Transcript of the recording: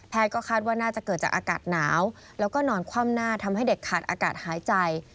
ก็คาดว่าน่าจะเกิดจากอากาศหนาวแล้วก็นอนคว่ำหน้าทำให้เด็กขาดอากาศหายใจ